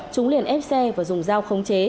chúng liền ép xe và dùng dao khống chế